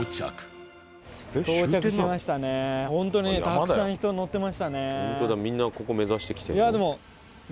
本当にたくさん人乗ってましたね。